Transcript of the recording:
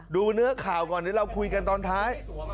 ดูเนื้อข่าวก่อนเดี๋ยวเราคุยกันตอนท้าย